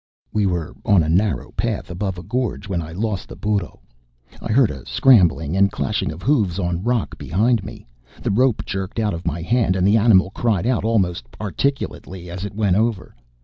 We were on a narrow path above a gorge when I lost the burro. I heard a scrambling and clashing of hoofs on rock behind me. The rope jerked out of my hand and the animal cried out almost articulately as it went over.